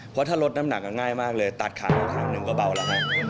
เพราะถ้าลดน้ำหนักง่ายมากเลยตัดขาครั้งหนึ่งก็เบาแล้วไง